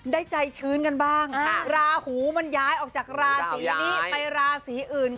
ได้ใจชื้นกันบ้างราหูมันย้ายออกจากราศีนี้ไปราศีอื่น